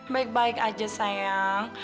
baik baik aja sayang